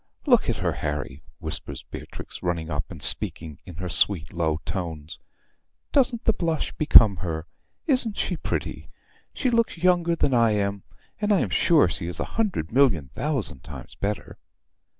"Look at her, Harry," whispers Beatrix, running up, and speaking in her sweet low tones. "Doesn't the blush become her? Isn't she pretty? She looks younger than I am, and I am sure she is a hundred million thousand times better."